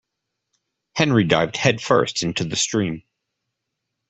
Henry dived headfirst into the stream.